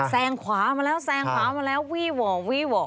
ขวามาแล้วแซงขวามาแล้ววี่หว่อวี่หว่อ